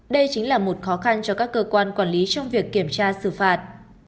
đây chính là một khó khăn cho các cơ quan quản lý trong việc kiểm tra xử phạt